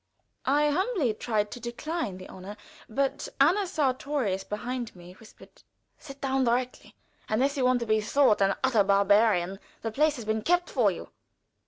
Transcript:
I humbly tried to decline the honor, but Anna Sartorius, behind me, whispered: "Sit down directly, unless you want to be thought an utter barbarian. The place has been kept for you."